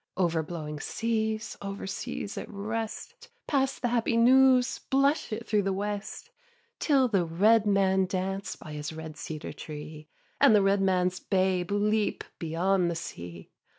Over blowing seas, Over seas at rest, Pass the happy news, Blush it thro' the West; Till the red man dance By his red cedar tree, And the red man's babe Leap, beyond the sea.